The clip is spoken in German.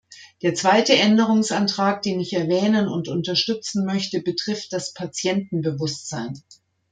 Der zweite Änderungsantrag, den ich erwähnen und unterstützen möchte, betrifft das Patientenbewusstsein.